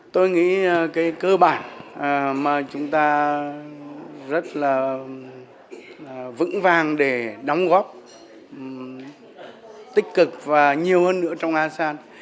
tôi nghĩ cái cơ bản mà chúng ta rất là vững vàng để đóng góp tích cực và nhiều hơn nữa trong asean